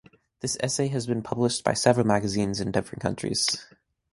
This essay has been published by several magazine in different countries.